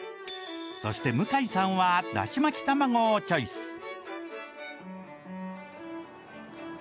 そして向井さんは出汁巻玉子をチョイス